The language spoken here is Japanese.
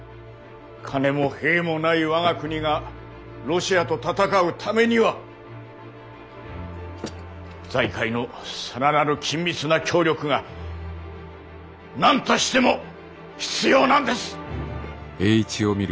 金も兵もない我が国がロシアと戦うためには財界の更なる緊密な協力が何としても必要なんです！